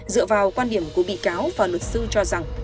dựa vào quan điểm của bị cáo và luật sư cho rằng